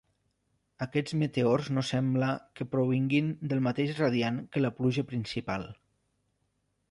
Aquests meteors no sembla que provinguin del mateix radiant que la pluja principal.